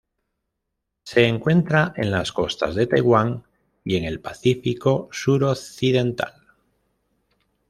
Se encuentra en las costas de Taiwán y en el Pacífico suroccidental.